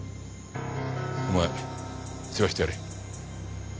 お前世話してやれ。